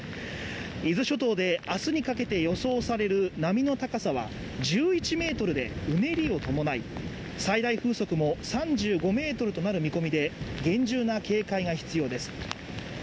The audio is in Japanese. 伊豆諸島で、あすにかけて予想される波の高さは１１メートルで、うねりを伴い最大風速も３５メートルとなる見込みで、厳重な警戒が必要です。